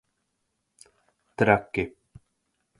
Traki.